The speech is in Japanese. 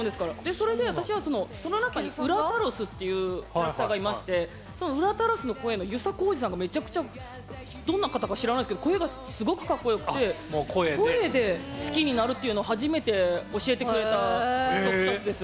それでその中にウラタロスっていうキャラクターがいましてウラタロスの声の遊佐浩二さんがどんな方か知らないですけど声がかっこよくて声で好きになると初めて教えてくれた特撮です。